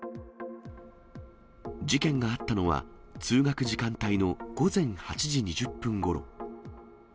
事件があったのは、通学時間帯の午前８時２０分ごろ。